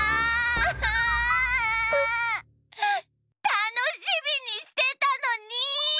たのしみにしてたのに！